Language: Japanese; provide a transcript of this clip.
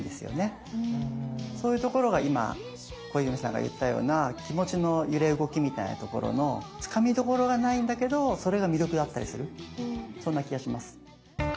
そういうところが今小泉さんが言ったような気持ちの揺れ動きみたいなところのつかみどころがないんだけどそれが魅力だったりするそんな気がします。